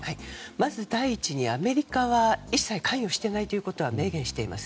まず第一にアメリカは一切関与していないということを明言しています。